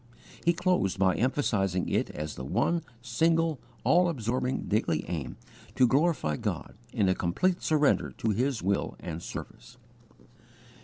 He closed by emphasizing it as the one, single, all absorbing, daily aim to glorify God in a complete surrender to His will and service.